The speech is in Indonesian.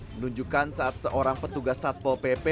menunjukkan saat seorang petugas satpol pp